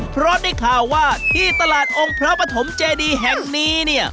เพราะได้ข่าวว่าที่ตลาดองค์พระปฐมเจดีแห่งนี้เนี่ย